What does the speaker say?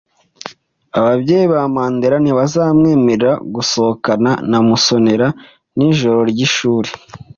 Ababyeyi ba Mandera ntibazamwemerera gusohokana na Musonera nijoro ryishuri.